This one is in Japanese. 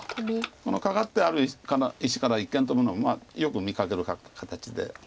このカカってある石から一間トブのはよく見かける形で。